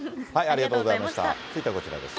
続いてはこちらです。